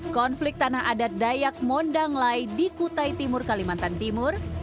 konflik tanah adat dayak mondanglai di kutai timur kalimantan timur